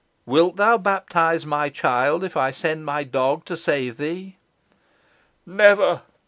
Wilt thou baptise my child if I send my dog to save thee?" "Never!"